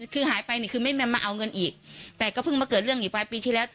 คือหายไปนี่คือไม่มาเอาเงินอีกแต่ก็เพิ่งมาเกิดเรื่องอีกปลายปีที่แล้ว